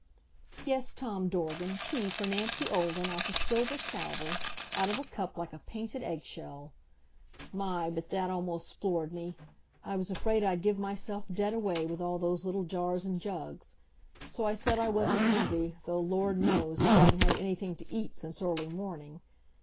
Yes, Tom Dorgan, tea for Nancy Olden off a silver salver, out of a cup like a painted eggshell. My, but that almost floored me! I was afraid I'd give myself dead away with all those little jars and jugs. So I said I wasn't hungry, though, Lord knows, I hadn't had anything to eat since early morning.